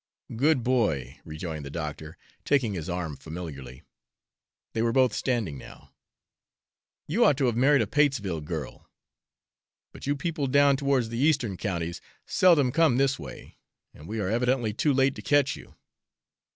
"Good boy!" rejoined the doctor, taking his arm familiarly they were both standing now. "You ought to have married a Patesville girl, but you people down towards the eastern counties seldom come this way, and we are evidently too late to catch you."